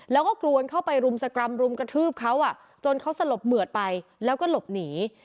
แล้วก็กรวนเข้าไปรุมสกรรมรุมกระทืบเขาจนเขาสลบเหมือดไปแล้วก็หลบหนี